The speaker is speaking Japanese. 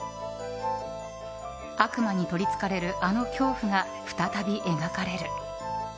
悪魔に取りつかれるあの恐怖が再び描かれる。